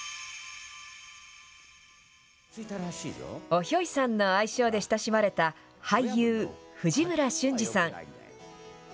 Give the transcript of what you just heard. おヒョイさんの愛称で親しまれた俳優、藤村俊二さん。